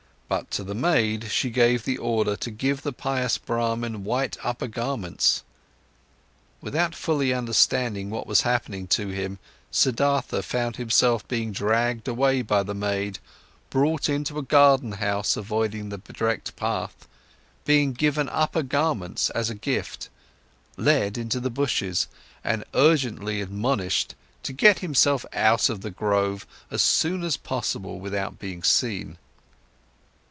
But to the maid she gave the order to give the pious Brahman white upper garments. Without fully understanding what was happening to him, Siddhartha found himself being dragged away by the maid, brought into a garden house avoiding the direct path, being given upper garments as a gift, led into the bushes, and urgently admonished to get himself out of the grove as soon as possible without being seen.